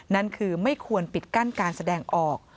นั่นคือไม่ควรปิดกั้นการแสดงออก